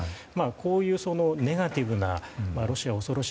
こういう、ネガティブなロシアおそろし